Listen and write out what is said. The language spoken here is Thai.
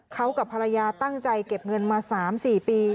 เขากับภรรยาตั้งใจเก็บเงินมา๓๔ปี